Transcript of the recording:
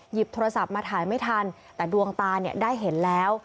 หยิบโทรศัพท์มาถ่ายไม่ทันแต่ดวงตาเนี่ยได้เห็นแล้ว